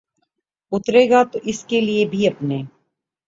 اترے گا تو اس کے لیے بھی اپنے